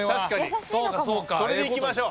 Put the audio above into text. ・それでいきましょう。